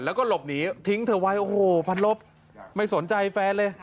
แล้วก็หลบหนีทิ้งเธอไว้โอ้โหพันลบไม่สนใจแฟนเลย